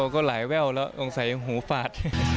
ก็หลายแววแล้วคงใส่หูฟาด